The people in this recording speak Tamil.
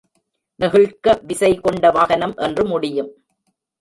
நெகிழ்க்க விசை கொண்ட வாகனம் என்று முடியும்.